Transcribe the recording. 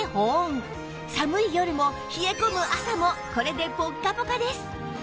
寒い夜も冷え込む朝もこれでポッカポカです